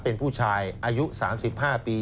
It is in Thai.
เป็นผู้ชายอายุ๓๕ปี